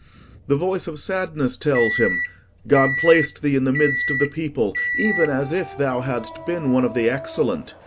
The voice of Sadness tells him, "God placed thee in the midst of the people even as if thou hadst been one of the excellent.